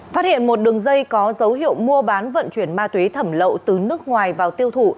phát hiện một đường dây có dấu hiệu mua bán vận chuyển ma túy thẩm lậu từ nước ngoài vào tiêu thụ